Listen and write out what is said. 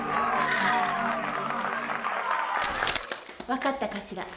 分かったかしら？